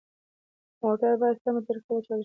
موټر باید سمه طریقه وچلول شي.